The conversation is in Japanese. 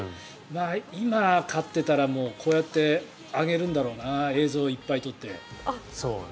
今、飼っていたらこうやって上げるんだろうな映像をいっぱい撮って。